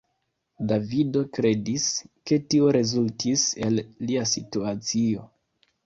Davido kredis, ke tio rezultis el lia situacio.